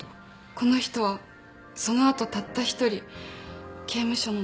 この人はその後たった一人刑務所の中。